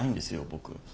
僕。